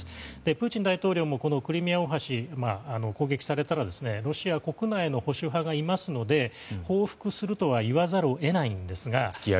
プーチン大統領もクリミア大橋を攻撃されたらロシア国内の保守派がいますので報復すると言わざるを得ないんですが。